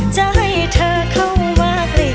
จะให้เธอรุ่นชายข้าบ้าน